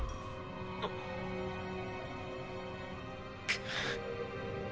くっ！